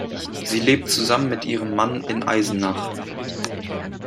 Sie lebt zusammen mit ihrem Mann in Eisenach.